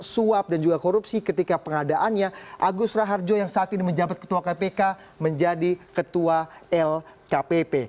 suap dan juga korupsi ketika pengadaannya agus raharjo yang saat ini menjabat ketua kpk menjadi ketua lkpp